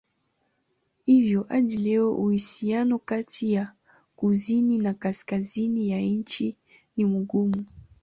Hivyo hadi leo uhusiano kati ya kusini na kaskazini ya nchi ni mgumu.